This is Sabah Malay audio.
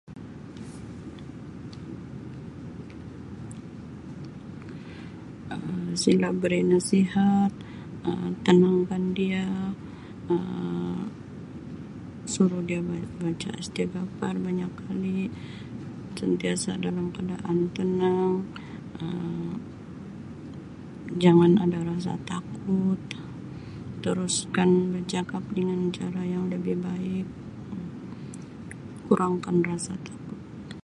Um Sila beri nasihat Um tenangkan dia Um suruh dia baca Astagafar banyak kali, sentiasa dalam keadaan tenang Um jangan ada rasa takut teruskan bercakap dengan cara yang lebih baik kurangkan rasa takut.